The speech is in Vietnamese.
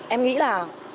em nghĩ là